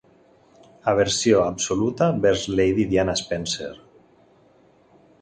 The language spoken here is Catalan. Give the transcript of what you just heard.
Aversió absoluta vers Lady Diana Spencer.